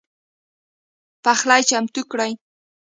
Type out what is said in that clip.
پخلی چمتو کړئ